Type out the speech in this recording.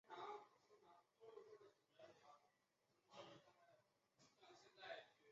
它的作用主要是钠离子通道阻滞剂。